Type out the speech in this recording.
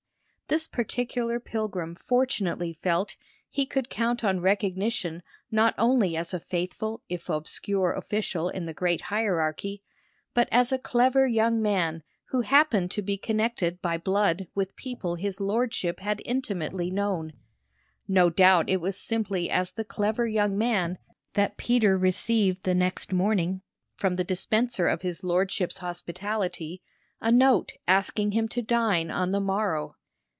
This particular pilgrim fortunately felt he could count on recognition not only as a faithful if obscure official in the great hierarchy, but as a clever young man who happened to be connected by blood with people his lordship had intimately known. No doubt it was simply as the clever young man that Peter received the next morning, from the dispenser of his lordship's hospitality, a note asking him to dine on the morrow.